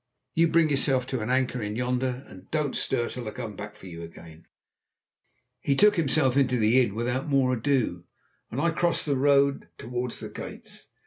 You bring yourself to an anchor in yonder, and don't stir till I come for you again." He took himself into the inn without more ado, and I crossed the road towards the gates.